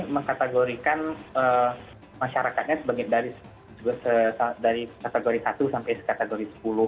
mengkategorikan masyarakatnya dari kategori satu sampai kategori sepuluh